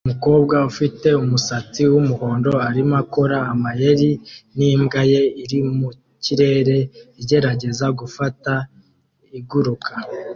Umukobwa ufite umusatsi wumuhondo arimo akora amayeri n'imbwa ye iri mu kirere igerageza gufata iguruka